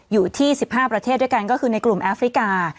อยู่ที่๑๕ประเทศด้วยกันก็คือในกลุ่มแอฟริกา